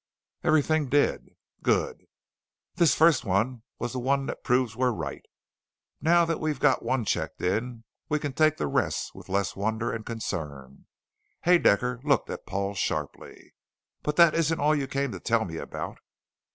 "Everything did." "Good. This first one was the one that proves we're right. Now that we've got one checked in, we can take the rest with less wonder and concern." Haedaecker looked at Paul sharply. "But this isn't all you came to tell me about."